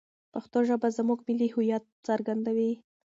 پښتو ژبه زموږ ملي هویت څرګندوي.